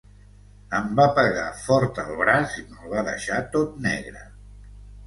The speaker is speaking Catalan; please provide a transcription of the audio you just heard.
Em va pegar fort al braç i me’l va deixar tot negre.